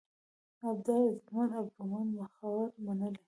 ابدار: عزتمن، ابرومند ، مخور، منلی